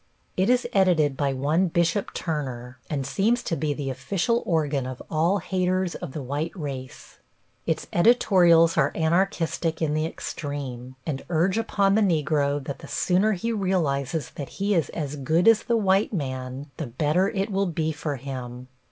It is edited by one Bishop Turner, and seems to be the official organ of all haters of the white race. Its editorials are anarchistic in the extreme, and urge upon the negro that the sooner he realizes that he is as good as the white man the better it will be for him.